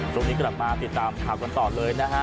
ช่วงนี้กลับมาติดตามข่าวกันต่อเลยนะฮะ